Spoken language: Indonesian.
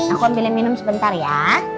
aku ambil minum sebentar ya